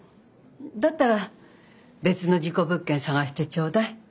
だったら別の事故物件探してちょうだい。